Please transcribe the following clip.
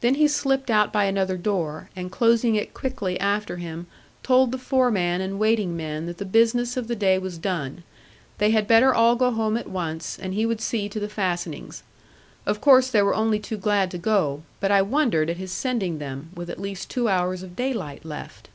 Then he slipped out by another door, and closing it quickly after him, told the foreman and waiting men that the business of the day was done. They had better all go home at once; and he would see to the fastenings. Of course they were only too glad to go; but I wondered at his sending them, with at least two hours of daylight left.